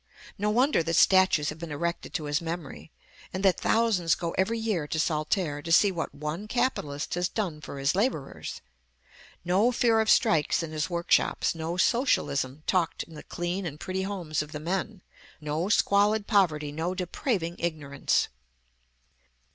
No wonder that statues have been erected to his memory, and that thousands go every year to Saltaire, to see what one capitalist has done for his laborers. No fear of strikes in his workshops; no socialism talked in the clean and pretty homes of the men; no squalid poverty, no depraving ignorance.